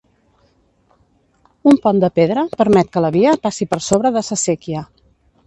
Un pont de pedra permet que la via passi per sobre de sa Séquia.